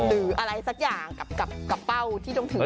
หรืออะไรสักอย่างกับเป้าที่ต้องถือ